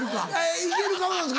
行ける顔なんですか？